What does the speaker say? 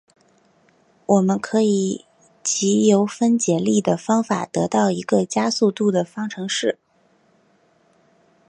我们可以藉由分解力的方法得到一个加速度的方程式。